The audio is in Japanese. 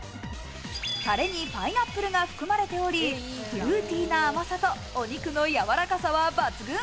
タレにパイナップルが含まれており、フルーティーな甘さと、お肉のやわらかさは抜群。